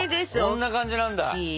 こんな感じなんだ。